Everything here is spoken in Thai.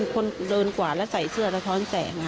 คนเดินกวาดแล้วใส่เสื้อแล้วท้อนแสง